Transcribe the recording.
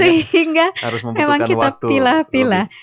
sehingga memang kita pilah pilah